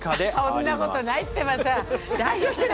そんなことないってばさ。